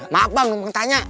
maaf bang gue mau tanya